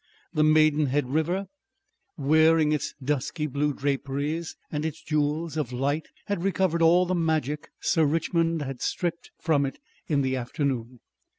The Maidenhead river wearing its dusky blue draperies and its jewels of light had recovered all the magic Sir Richmond had stripped from it in the afternoon.